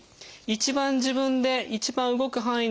一番自分で一番動く範囲